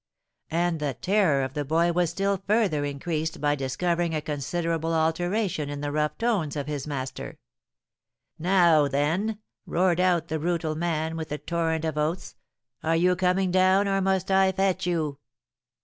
And the terror of the boy was still further increased by discovering a considerable alteration in the rough tones of his master. 'Now, then!' roared out the brutal man, with a torrent of oaths, 'are you coming down, or must I fetch you?'